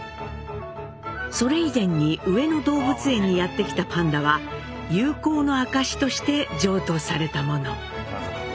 それ以前に上野動物園にやって来たパンダは友好の証しとして譲渡されたもの。